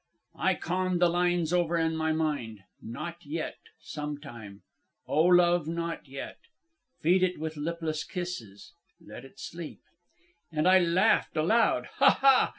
"I conned the lines over in my mind 'Not yet, sometime' 'O Love, not yet' 'Feed it with lipless kisses, let it sleep.' And I laughed aloud, ha, ha!